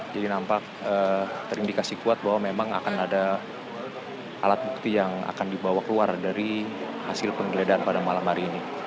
jadi nampak terindikasi kuat bahwa memang akan ada alat bukti yang akan dibawa keluar dari hasil penggeledahan pada malam hari ini